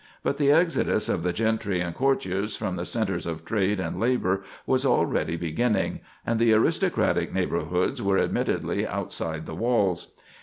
But the exodus of the gentry and courtiers from the centres of trade and labor was already beginning, and the aristocratic neighborhoods were admittedly outside the walls.